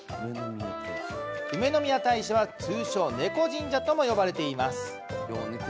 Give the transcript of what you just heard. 梅宮大社は通称猫神社とも呼ばれています。